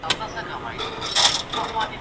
لمره نن تم سه! ..